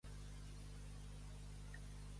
Una gràcia per caritat!